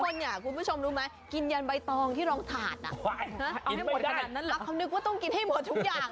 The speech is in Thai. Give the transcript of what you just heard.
คำนึกว่าต้องกินให้หมดทุกอย่างในถาด